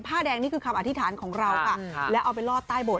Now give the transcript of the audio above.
แดงนี่คือคำอธิษฐานของเราค่ะแล้วเอาไปลอดใต้โบส